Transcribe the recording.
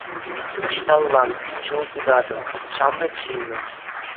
Ӑҫталла ҫул тытатӑн, ҫамрӑк ҫыннӑм?